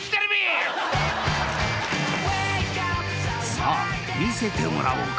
［さあ見せてもらおうか］